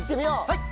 はい！